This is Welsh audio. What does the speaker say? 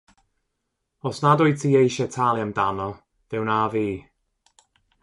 Os nad wyt ti eisiau talu amdano fe wnaf i.